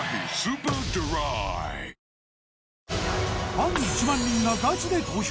ファン１万人がガチで投票！